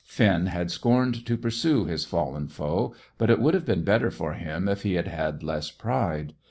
Finn had scorned to pursue his fallen foe, but it would have been better for him if he had had less pride.